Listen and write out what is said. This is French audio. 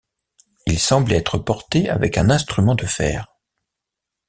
Ils semblaient être portés avec un instrument de fer.